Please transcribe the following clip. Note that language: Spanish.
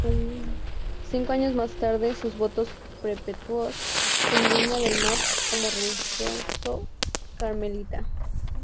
Cinco años más tarde sus votos perpetuos en Viña del Mar como Religioso Carmelita.